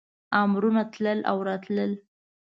امرونه تلل او راتلل.